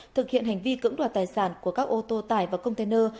thực hiện hành vi cưỡng đoạt tài sản của các ô tô tải và container